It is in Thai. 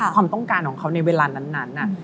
ความต้องการของเขาในเวลานั้น